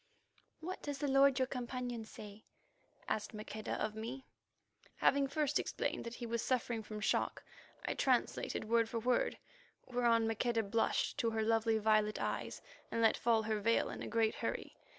"What does the lord your companion say?" asked Maqueda of me. Having first explained that he was suffering from shock, I translated word for word, whereon Maqueda blushed to her lovely violet eyes and let fall her veil in a great hurry.